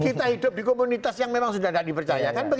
kita hidup di komunitas yang memang sudah tidak dipercaya